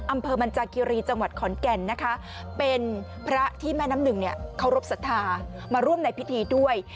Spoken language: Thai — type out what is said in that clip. อำเภอมันจากคีรีจังหวัดขอนแก่นนะคะเป็นพระที่แม่น้ำหนึ่งเนี่ยเคารพสัทธามาร่วมในพิธีด้วย